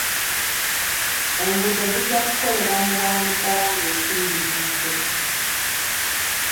Enguudo zijja kukolebwako mu bwangu ddaala ng'ensimbi zizze.